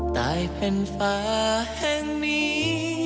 ใต้แผ่นฝาแห่งนี้